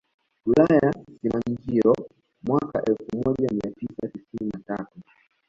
Wilaya ya Simanjiro mwaka elfu moja mia tisa tisini na tatu